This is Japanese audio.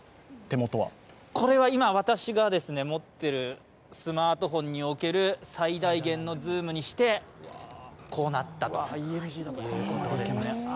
これは今、私が持ってるスマートフォンにおける最大限のズームにしてこうなったということです。